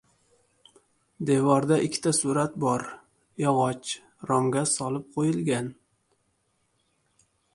Devorda ikkita surat bor. Yog‘och romga solib qo‘yilgan.